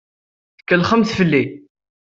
Tkellxemt fell-i.